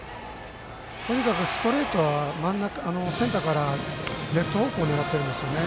とにかく、ストレートはセンターからレフト方向を狙っているんですよね。